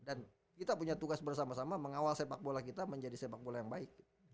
dan kita punya tugas bersama sama mengawal sepak bola kita menjadi sepak bola yang baik